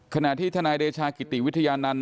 ขณะที่ทนายเดชากิติวิทยานันต